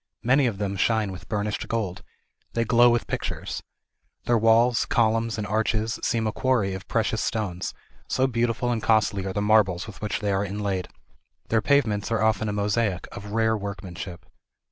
Many of them shine with burnished gold. They glow with pictures. Their walls, columns, and arches seem a quarry of precious stones, so beautiful and costly are the marbles with which they are inlaid. Their pavements are often a mosaic, of rare workmanship.